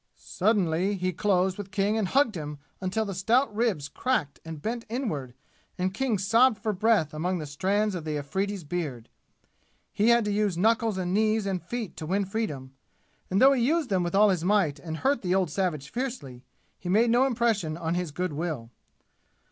Suddenly he closed with King and hugged him until the stout ribs cracked and bent inward and King sobbed for breath among the strands of the Afridi's beard. He had to use knuckles and knees and feet to win freedom, and though he used them with all his might and hurt the old savage fiercely, he made no impression on his good will.